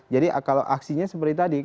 jadi kalau aksinya seperti tadi